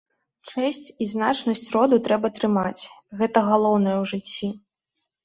Чэсць і значнасць роду трэба трымаць, гэта галоўнае ў жыцці.